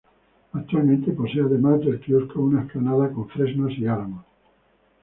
Actualmente posee, además del quiosco, una explanada con fresnos y álamos.